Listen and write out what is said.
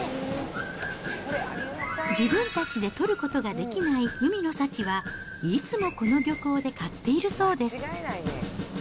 自分たちで取ることができない海の幸は、いつも、この漁港で買っているそうです。